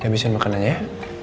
dihabisin makanannya ya